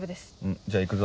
じゃあ行くぞ。